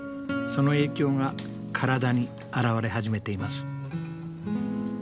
その影響が体に現れ始めています。